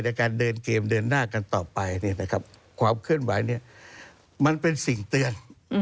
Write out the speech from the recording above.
ในการเดินเกมเดินหน้ากันต่อไปความเคลื่อนไหวมันเป็นสิ่งเตือน